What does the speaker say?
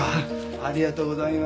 ありがとうございます。